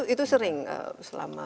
itu sering selama